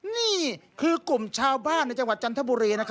นี่คือกลุ่มชาวบ้านในจังหวัดจันทบุรี